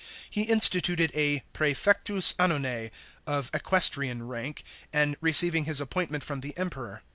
He instituted a prasfectus annonse, of equestrian rank, and receiving his appointment from the Emperor.